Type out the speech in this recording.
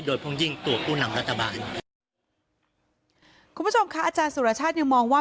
โดยเพราะยิ่งตัวผู้นำรัฐบาลคุณผู้ชมค่ะอาจารย์สุรชาติยังมองว่า